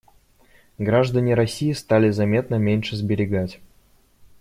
Граждане России стали заметно меньше сберегать.